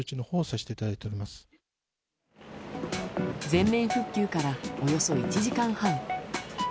全面復旧からおよそ１時間半。